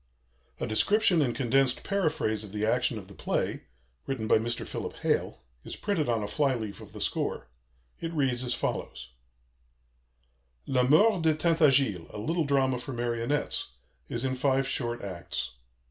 A description and condensed paraphrase of the action of the play, written by Mr. Philip Hale, is printed on a fly leaf of the score. It reads as follows: "La Mort de Tintagiles, a little drama for marionettes, is in five short acts.